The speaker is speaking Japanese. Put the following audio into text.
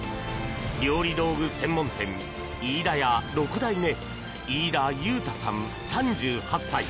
料理道具専門店飯田屋６代目飯田結太さん、３８歳。